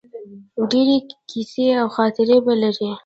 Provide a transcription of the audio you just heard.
ډیرې قیصې او خاطرې به لرې